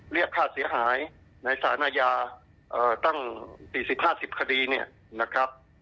เรียกฆ่าเสียหายในศาลนายาตั้ง๔๐๕๐คดีนะครับ